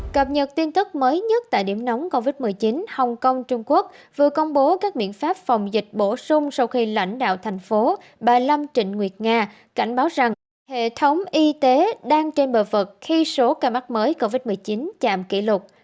cập nhật tin tức mới nhất tại điểm nóng covid một mươi chín hồng kông trung quốc vừa công bố các biện pháp phòng dịch bổ sung sau khi lãnh đạo thành phố bà lâm trịnh nguyệt nga cảnh báo rằng hệ thống y tế đang trên bờ vực khi số ca mắc mới covid một mươi chín chạm kỷ lục